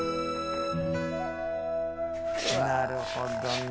なるほどね。